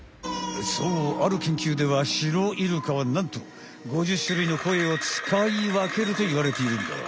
そうあるけんきゅうではシロイルカはなんと５０種類の声をつかいわけるといわれているんだわ。